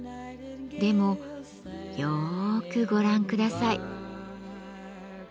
でもよくご覧下さい。